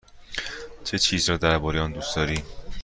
چه چیز را درباره آن دوست داری؟